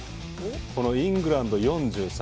このイングランド４３。